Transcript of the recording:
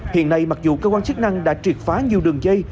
hiện nay mặc dù cơ quan chức năng đã triệt phá nhiều đường dây